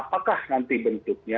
hmm apakah nanti bentuknya